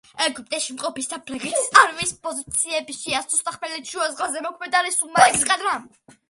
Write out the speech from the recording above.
ეგვიპტეში მყოფი საფრანგეთის არმიის პოზიციები შეასუსტა ხმელთაშუა ზღვაზე მოქმედმა რუსულმა ესკადრამ.